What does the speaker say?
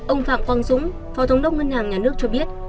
ông phạm quang dũng phó thống đốc ngân hàng nhà nước cho biết